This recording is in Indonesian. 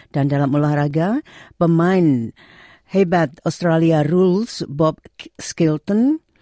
dan dalam olahraga pemain hebat australia rules bob skilton